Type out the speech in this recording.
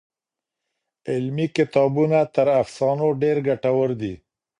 علمي کتابونه تر افسانو ډېر ګټور دي.